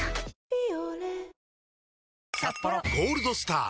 「ビオレ」「ゴールドスター」！